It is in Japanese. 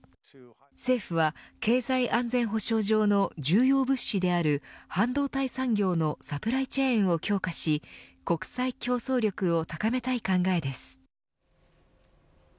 政府は経済安全保障上の重要物資である半導体産業のサプライチェーンを強化し国際競争力を高めたい考えです。